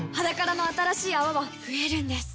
「ｈａｄａｋａｒａ」の新しい泡は増えるんです